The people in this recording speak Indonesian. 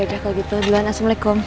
ya udah kalau gitu assalamualaikum